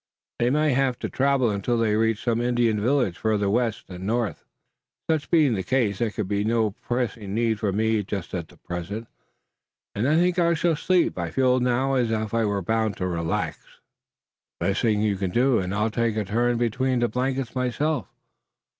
They may have to travel until they reach some Indian village farther west and north." "Such being the case, there can be no pressing need for me just at present, and I think I shall sleep. I feel now as if I were bound to relax." "The best thing you could do, and I'll take a turn between the blankets myself."